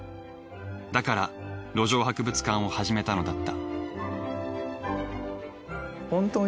だから路上博物館を始めたのだった。